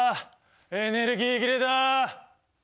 エネルギー切れだ」とか。